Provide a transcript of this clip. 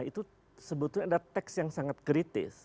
itu sebetulnya ada teks yang sangat kritis